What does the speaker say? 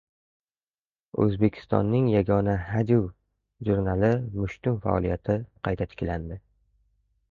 O‘zbekistonning yagona hajv jurnali "Mushtum" faoliyati qayta tiklanadi